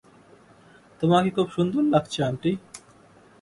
তোমাকে খুব সুন্দর লাগছে, আন্টি।